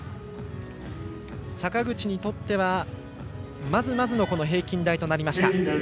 坂口にとってはまずまずの平均台となりました。